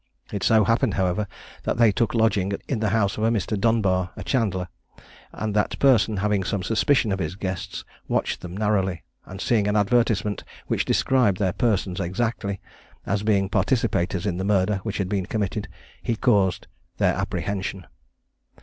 It so happened, however, that they took lodging in the house of a Mr. Dunbar, a chandler, and that person having some suspicion of his guests, watched them narrowly; and seeing an advertisement which described their persons exactly, as being participators in the murder which had been committed, he caused their apprehension.